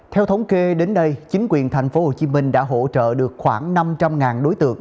theo thống kê đến đây chính quyền tp hcm đã hỗ trợ được khoảng năm trăm linh đối tượng